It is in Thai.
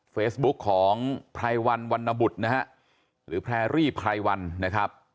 เฟซบุ๊คของไพรวันวันนบุตรนะฮะหรือแพรรี่ไพรวันนะครับ